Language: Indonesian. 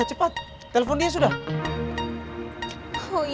terus nggak pernahsh lasure juga